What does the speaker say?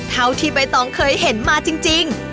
เท่าที่ใบตองเคยเห็นมาจริง